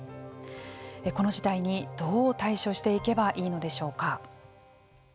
この事態にどう対処していけばいいのでしょうか。